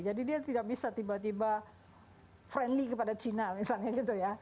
jadi dia tidak bisa tiba tiba friendly kepada china misalnya gitu ya